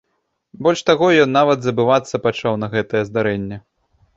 Больш таго, ён нават забывацца пачаў на гэтае здарэнне.